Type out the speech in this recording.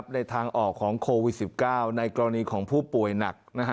ในทางออกของโควิด๑๙ในกรณีของผู้ป่วยหนัก